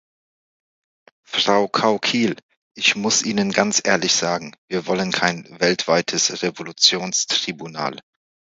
Frau Cauquil, ich muss Ihnen ganz ehrlich sagen, wir wollen kein weltweites Revolutionstribunal.